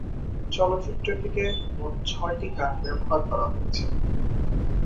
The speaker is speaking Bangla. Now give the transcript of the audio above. চলচ্চিত্রটিতে মোট ছয়টি গান ব্যবহার করা হয়েছে।